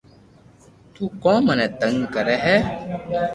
تو ڪو مني تنگ ڪري ھي